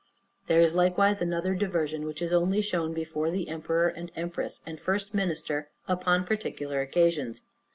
There is likewise another diversion, which is only shown before the emperor and empress, and first minister, upon particular occasions.